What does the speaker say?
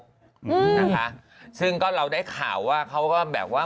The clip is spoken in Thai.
อืมนะคะซึ่งก็เราได้ข่าวว่าเขาก็แบบว่า